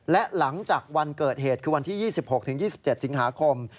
และหลังจากวันเกิดเหตุคือวันที่๒๖๒๗สิงหาคม